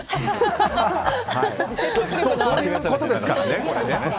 そういうことですからね。